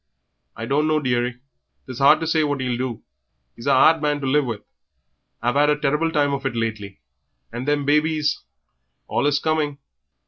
"I dunno, dearie; 'tis hard to say what 'e'll do; he's a 'ard man to live with. I've 'ad a terrible time of it lately, and them babies allus coming.